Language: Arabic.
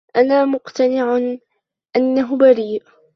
أنا مقتنع أنه بريء.